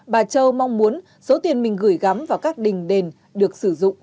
bà châu mong muốn số tiền mình gửi gắm vào các đình đền được sử dụng